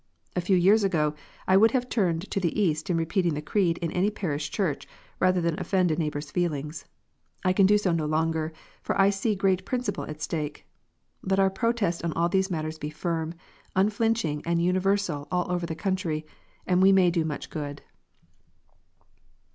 A few years ago I would have turned to the east in repeating the Creed in any parish church, rather than offend a neighbour s feelings. I can do so no longer, for I see great principles at stake. Let our protest on all these matters be firm, unflinch ing, and universal all over the country, and we may do much good.